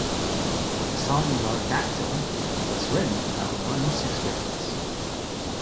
The song "Largactyl" was written about Martin's experience.